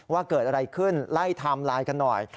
ว่าเกิดอะไรขึ้นไล่ไทม์ไลน์กันหน่อย